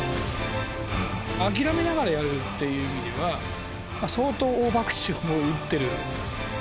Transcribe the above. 諦めながらやるっていう意味では相当大バクチをもう打ってる。